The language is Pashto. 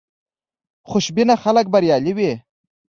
خوشبینه خلک بریالي وي.